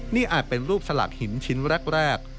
นี่อาจเป็นรูปสลากหินชิ้นแรก